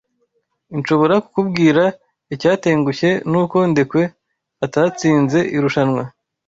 inshobora kukubwira icyatengushye nuko Ndekwe atatsinze irushanwa.